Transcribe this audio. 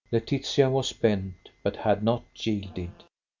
Laetitia was bent, but had not yielded.